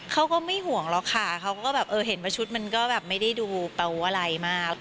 เขาก็ไม่ห่วงหรอกค่ะเขาก็แบบเออเห็นว่าชุดมันก็แบบไม่ได้ดูเปล่าอะไรมาก